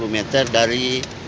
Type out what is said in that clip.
lima puluh meter dari